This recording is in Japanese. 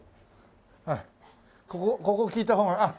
ここ聞いた方がいい？